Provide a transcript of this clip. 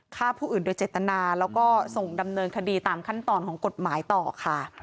ฆ่าผู้อื่นโดยเจตนาแล้วก็ส่งดำเนินคดีตามขั้นตอนของกฎหมายต่อค่ะ